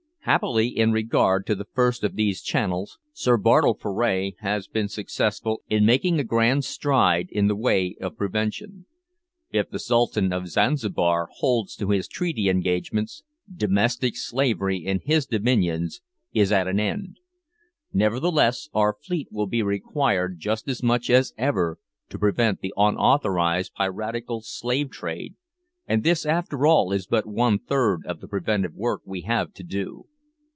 Happily, in regard to the first of these channels, Sir Bartle Frere has been successful in making a grand stride in the way of prevention. If the Sultan of Zanzibar holds to his treaty engagements, "domestic slavery" in his dominions is at an end. Nevertheless, our fleet will be required just as much as ever to prevent the unauthorised, piratical, slave trade, and this, after all, is but one third of the preventive work we have to do.